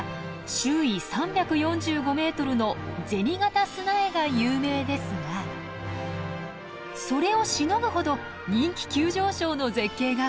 周囲３４５メートルの銭形砂絵が有名ですがそれをしのぐほど人気急上昇の絶景があるんです。